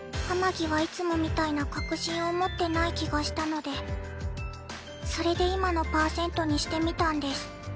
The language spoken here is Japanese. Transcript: アマギはいつもみたいな確信を持ってない気がしたのでそれで今の「％」にしてみたんです。